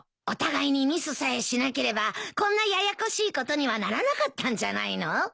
お互いにミスさえしなければこんなややこしいことにはならなかったんじゃないの？